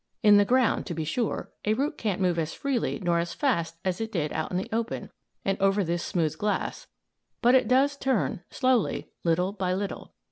In the ground, to be sure, a root can't move as freely nor as fast as it did out in the open and over this smooth glass, but it does turn, slowly, little by little.